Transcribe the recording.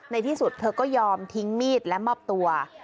ในที่สุดเธอก็ยอมทิ้งมีดและมอบตัว